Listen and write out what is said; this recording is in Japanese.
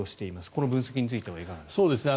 この分析についてはいかがですか。